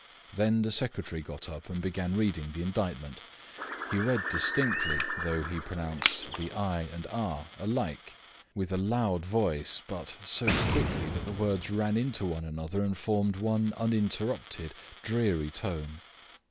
Then the secretary got up and began reading the indictment. He read distinctly, though he pronounced the "I" and "r" alike, with a loud voice, but so quickly that the words ran into one another and formed one uninterrupted, dreary drone.